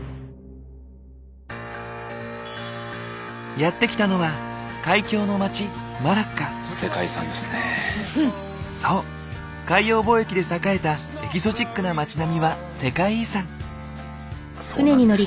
やって来たのは海峡の街そう海洋貿易で栄えたエキゾチックな町並みは世界遺産。